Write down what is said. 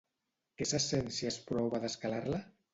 Què se sent si es prova d'escalar-la?